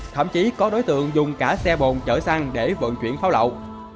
thậm chí có đối tượng dùng cả xe bồn chở xăng để vận chuyển pháo lậu